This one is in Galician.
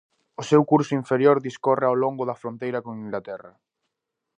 O seu curso inferior discorre ao longo da fronteira con Inglaterra.